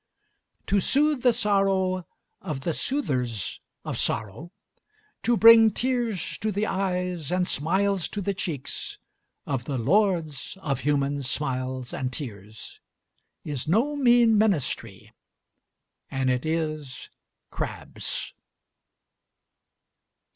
To soothe the sorrow of the soothers of sorrow, to bring tears to the eyes and smiles to the cheeks of the lords of human smiles and tears, is no mean ministry, and it is Crabbe's.